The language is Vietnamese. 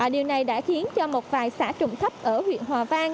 điều này đã khiến cho một vài xã trụng thấp ở huyện hòa vang